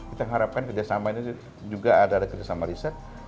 kita mengharapkan kerjasama ini juga adalah kerjasama riset